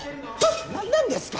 何なんですか！？